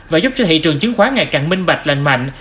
và giúp cho thị trường chứng khoán ngày càng minh bạch lành mạnh